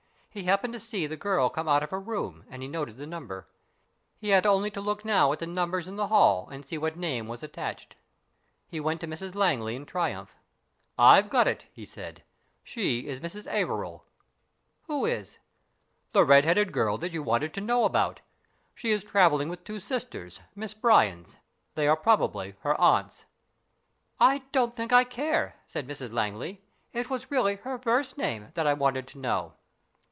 He happened to see the girl come out of her room, and he noted the number. He had only to look now at the numbers in the hall and see what name was attached. He went to Mrs Langley in triumph. " I've got it," he said. " She is Miss AveriL" "Who is?" " The red haired girl that you wanted to know about. She is travelling with two sisters Miss Brya'ns. They are probably her aunts." " I don't think I care," said Mrs Langley. " It was really her first name that I wanted to know."